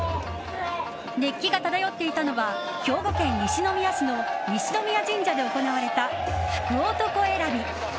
熱気が漂っていたのは兵庫県西宮市の西宮神社で行われた福男選び。